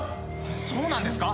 そうなんですか？